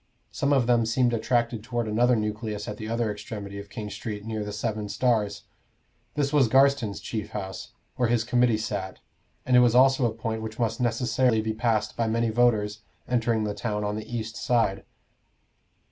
Some of them seemed attracted toward another nucleus at the other extremity of King Street, near the Seven Stars. This was Garstin's chief house, where his committee sat, and it was also a point which must necessarily be passed by many voters entering the town on the eastern side.